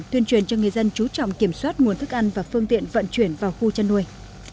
tuyên truyền cho người dân chú trọng kiểm soát nguồn thức ăn và phương tiện vận chuyển vào khu chăn nuôi